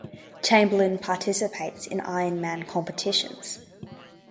Chamberlain participates in Ironman competitions.